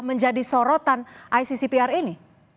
menjadi sorotan iccpr ini